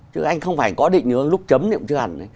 chứ anh không phải có định hướng lúc chấm niệm chứ hẳn